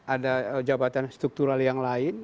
ada jabatan struktural yang lain